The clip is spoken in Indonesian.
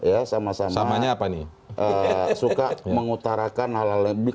ya sama sama suka mengutarakan hal hal yang